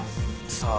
さあ。